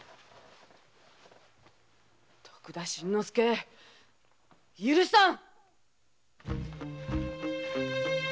徳田新之助許さん！